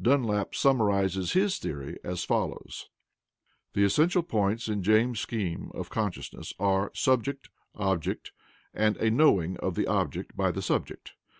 Dunlap summarizes his theory as follows: "The essential points in James's scheme of consciousness are SUBJECT, OBJECT, and a KNOWING of the object by the subject.